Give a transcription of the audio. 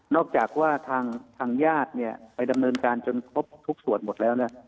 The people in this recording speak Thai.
นอกจากว่าทางยาดเนี่ยไปดำเนินการจนครบทุกส่วนหมดแล้วเนี่ย